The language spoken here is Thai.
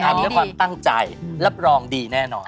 ด้วยความตั้งใจรับรองดีแน่นอน